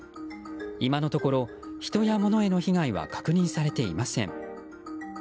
今のところ人や物への被害は確認されていません。